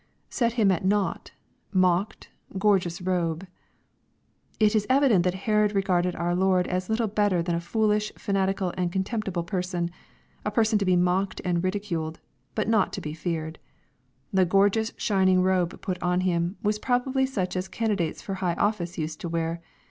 [Set him at notLght...mocked...gorgeou8 rohe.] It is evident that Herod regarded our Lord as Httle better than a foolish, fanatical and contemptible person, — ^a person to be mocked and ridiculed, but not to be feared. The gorgeous or shining robe put on Him, was probably such as candidates for high ofl&ce used to wear.